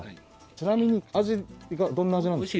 ちなみに味がどんな味なんですか？